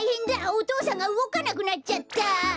お父さんがうごかなくなっちゃった！